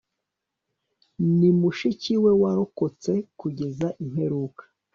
ni mushiki we, warokotse kugeza imperuka